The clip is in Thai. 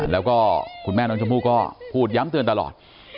แล้วก็คุณแม่น้องชมพู่ก็พูดย้ำเตือนตลอด